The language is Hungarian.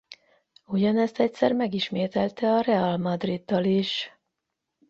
Ugyanezt egyszer megismételte a Real Madriddal is.